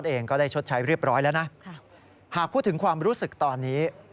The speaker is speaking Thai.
ทั้งจอร์ธเก่งได้ชดชัยเรียบร้อยแล้วนะหาพูดถึงความรู้สึกตอนนี้